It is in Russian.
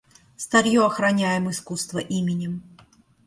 Старье охраняем искусства именем.